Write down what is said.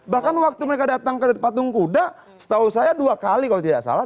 bahkan waktu mereka datang ke patung kuda setahu saya dua kali kalau tidak salah